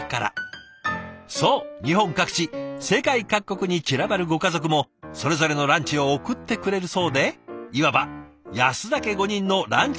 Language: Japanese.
そう日本各地世界各国に散らばるご家族もそれぞれのランチを送ってくれるそうでいわば安田家５人のランチ交換日記。